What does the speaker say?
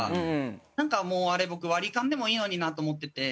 なんかもうあれ僕割り勘でもいいのになと思ってて。